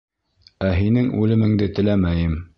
Ә һинең үлемеңде теләмәйем.